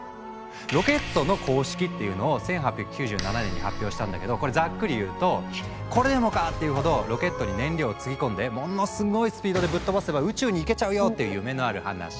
「ロケットの公式」っていうのを１８９７年に発表したんだけどこれざっくり言うと「これでもかっていうほどロケットに燃料を積み込んでものすごいスピードでぶっ飛ばせば宇宙に行けちゃうよ」っていう夢のある話。